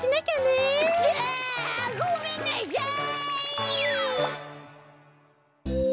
うわごめんなさい！